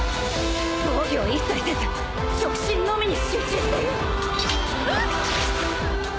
防御を一切せず直進のみに集中してる！